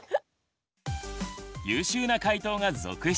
優秀な解答が続出！